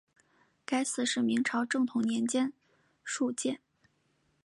该寺是明朝正统年间敕建。